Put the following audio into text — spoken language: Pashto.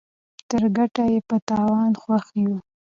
تر ګټه ئې په تاوان خوښ يو.